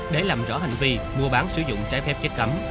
để làm rõ hành vi mua bán sử dụng trái phép chất cấm